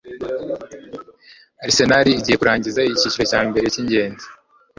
Arsenal igiye kurangiza icyiciro cya mbere cyingenzi